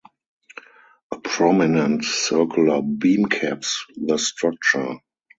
A prominent circular beam caps the structure.